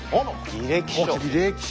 履歴書。